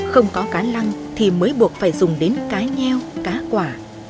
không có cá lăng thì mới buộc phải dùng đến cá nheo cá quả